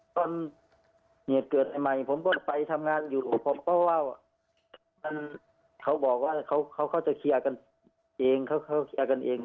ตอนเกิดใหม่ผมก็ไปทำงานอยู่เขาบอกว่าเขาจะเคลียร์กันเอง